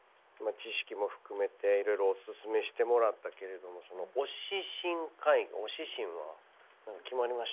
知識も含めて色々お薦めしてもらったけれども推し深海魚推し深は決まりました？